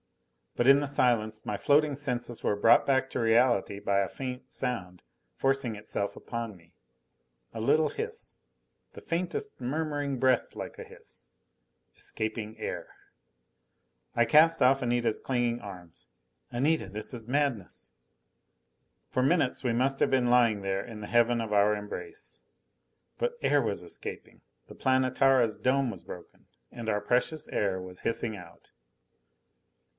But in the silence my floating senses were brought back to reality by a faint sound forcing itself upon me. A little hiss. The faintest murmuring breath like a hiss. Escaping air! I cast off Anita's clinging arms. "Anita, this is madness!" For minutes we must have been lying there in the heaven of our embrace. But air was escaping! The Planetara's dome was broken and our precious air was hissing out.